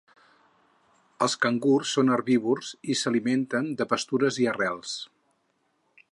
Els cangurs són herbívors i s'alimenten de pastures i arrels.